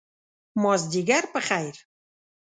مازدیګر په خیر !